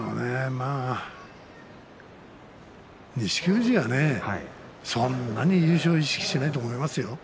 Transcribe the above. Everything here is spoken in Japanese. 富士はそんなに優勝を意識しないと思いますよ。